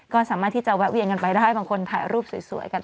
ก็สามารถที่จะแวะเวียนกันไปได้บางคนถ่ายรูปสวยกัน